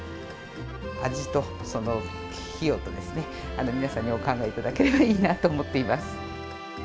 味と費用と、皆さんにお考えいただければいいなと思っています。